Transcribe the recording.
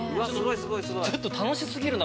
ちょっと楽し過ぎるな